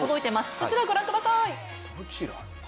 こちらをご覧ください。